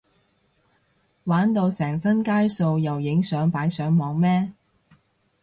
玩到成身街數又影相擺上網咩？